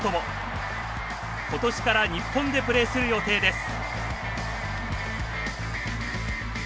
今年から日本でプレーする予定です。